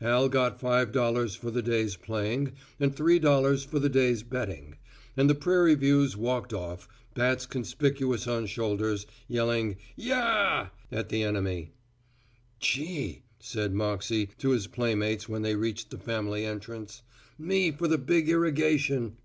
Al got five dollars for the day's playing and three dollars for the day's betting, and the Prairie Views walked off, bats conspicuous on shoulders, yelling, "Yah!" at the enemy. "Chee," said Moxey to his playmates when they reached the family entrance, "me for the big irrigation."